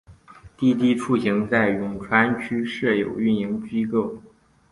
滴滴出行在永川区设有运营机构。